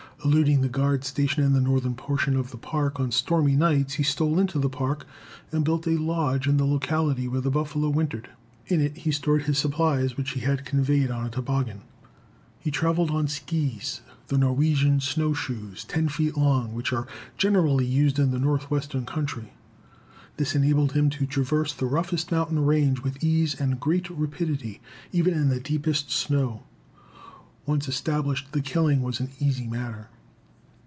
Eluding the guard stationed in the northern portion of the Park, on stormy nights, he stole into the Park and built a lodge in the locality where the buffalo wintered. In it he stored his supplies, which he had conveyed on a toboggan. He traveled on skis, the Norwegian snowshoes, ten feet long, which are generally used in the Northwestern country. This enabled him to traverse the roughest mountain range with ease and great rapidity, even in the deepest snow. Once established, the killing was an easy matter.